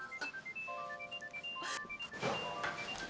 kau mau ke rumah